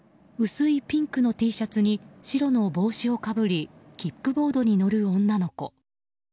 薄いピンクのＴシャツに白の帽子をかぶりキックボードに乗る女の子。